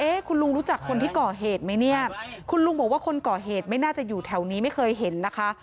คุณลุงรู้จักคนที่ก่อเหตุไหมเนี่ยคุณลุงบอกว่าคนก่อเหตุไม่น่าจะอยู่แถวนี้ไม่เคยเห็นนะคะ